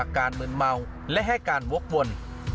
ขับอาการเหมือนเมาแล้วให้การวกวล